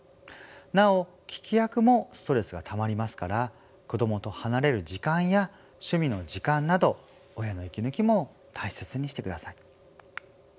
なお聞き役もストレスがたまりますから子どもと離れる時間や趣味の時間など親の息抜きも大切にしてください。